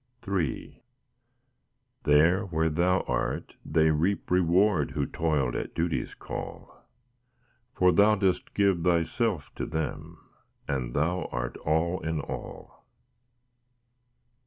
III There, where Thou art, they reap reward Who toiled at duty's call; For Thou dost give Thyself to them, And Thou art all in all.